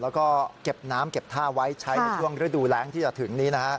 แล้วก็เก็บน้ำเก็บท่าไว้ใช้ในช่วงฤดูแรงที่จะถึงนี้นะฮะ